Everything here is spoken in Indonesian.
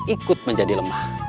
ikut menjadi lemah